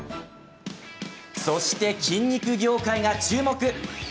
そして、筋肉業界が注目！